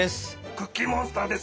クッキーモンスターです。